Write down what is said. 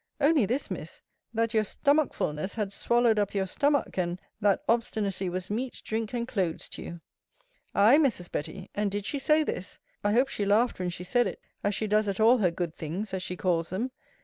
Only this, Miss, That your stomachfulness had swallowed up your stomach; and, That obstinacy was meat, drink, and clothes to you. Ay, Mrs. Betty; and did she say this? I hope she laughed when she said it, as she does at all her good things, as she calls them.